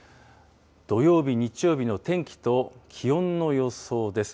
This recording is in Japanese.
土曜日、日曜日の天気と気温の予想です。